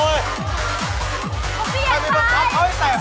พบเลยครับปิดสนามหาสนุกหมายเลข